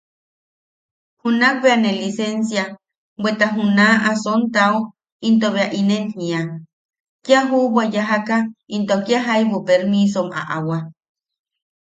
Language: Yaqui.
Junak bea ne lisensia, bweta junaʼa sontao into bea inen jiia: –Kia juʼubwa yajaka into kia jaibu permisom aʼawa.